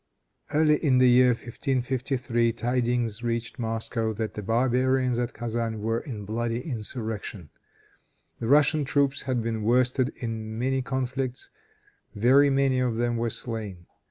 Early in the year 1553 tidings reached Moscow that the barbarians at Kezan were in bloody insurrection. The Russian troops had been worsted in many conflicts; very many of them were slain.